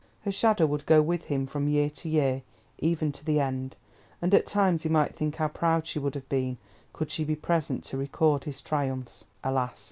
Her shadow would go with him from year to year, even to the end, and at times he might think how proud she would have been could she be present to record his triumphs. Alas!